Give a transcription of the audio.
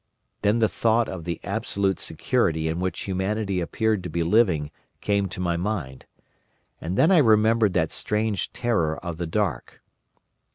Then the thought of the absolute security in which humanity appeared to be living came to my mind. And then I remembered that strange terror of the dark.